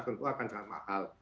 tentu akan sangat mahal